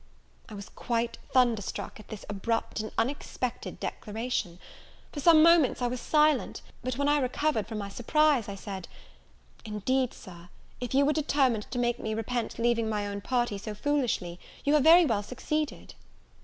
I was quite thunderstruck at this abrupt and unexpected declaration. For some moments I was silent; but when I recovered from my surprise, I said, "Indeed, Sir, if you were determined to make me repent leaving my own party so foolishly, you have very well succeeded."